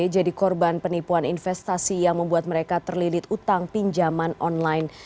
jadi korban penipuan investasi yang membuat mereka terlilit utang pinjaman online